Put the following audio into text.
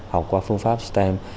học qua phương pháp stem